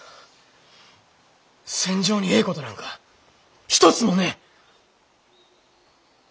戦場にええことなんか一つもねえ！